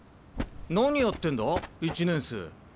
何やってんだ１年生？